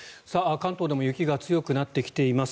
関東でも雪が強くなってきています。